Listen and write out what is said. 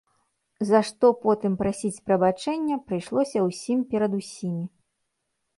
За што потым прасіць прабачэння прыйшлося ўсім перад усімі.